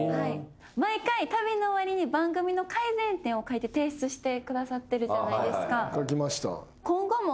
毎回旅の終わりに番組の改善点を書いて提出してくださってるじゃないですか。